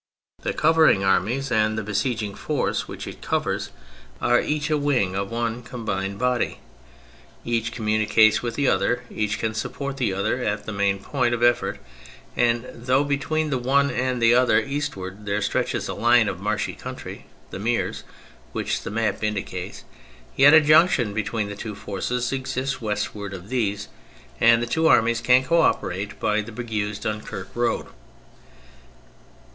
The covering army and the besieging force which it covers are each a wing of one combined 192 THE FRENCH REVOLUTION body ; each communicates with the other, each can support the other at the main point of effort, and though between the one and the other eastward there stretches a Hne of marshy country — the " meres " which the map indicates — yet a junction between the two forces exists westward of these, and the two armies can co operate by the Bergues Dunquerque road.